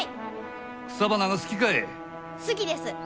好きです。